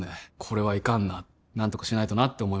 これはいかんな何とかしないとなって思いますよね